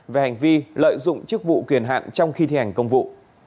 về hành vi lợi dụng chức vụ quyền hạn trong khi thi hành công vụ